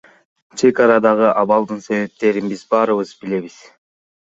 Чек арадагы абалдын себептерин биз баарыбыз билебиз.